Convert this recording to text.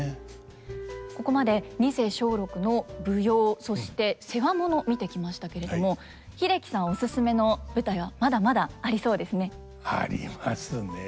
ここまで二世松緑の舞踊そして世話物見てきましたけれども英樹さんオススメの舞台はまだまだありそうですね。ありますね。